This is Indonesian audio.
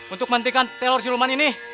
untuk mentikan telur siluman ini